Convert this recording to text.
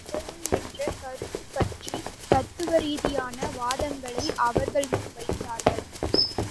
கடவுள் என்ற கருத்துப்பற்றி தத்துவ ரீதியான வாதங்களை அவர்கள் முன் வைத்தார்கள்.